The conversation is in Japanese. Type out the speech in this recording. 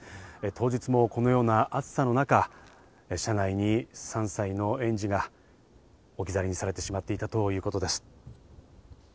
当日もこのような暑さの中、車内に３歳の園児が置き去りにされてしまっていたということです。